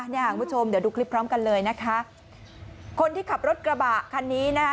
คุณผู้ชมเดี๋ยวดูคลิปพร้อมกันเลยนะคะคนที่ขับรถกระบะคันนี้นะคะ